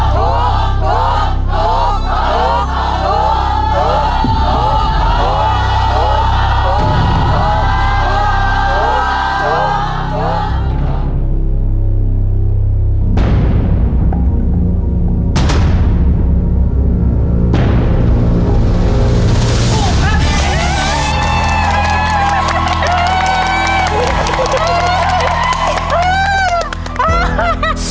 ถูกถูกถูกถูกถูกถูกถูกถูกถูกถูกถูก